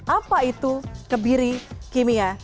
apa itu kebiri kimia